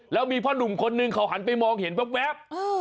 แล้วมีพ่อหนุ่มคนนึงเขาหันไปมองเห็นแว๊บ